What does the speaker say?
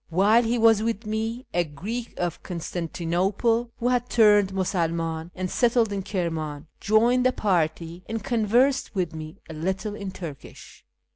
Wliih; lie was with me, a Greek of Constantinople, whu had turned Musulnuin and settled in Kirman, joined the party, and conversed with me a little in Turkish.